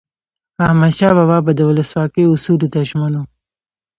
احمدشاه بابا به د ولسواکۍ اصولو ته ژمن و.